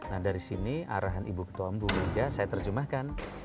nah dari sini arahan ibu ketua bunga saya terjemahkan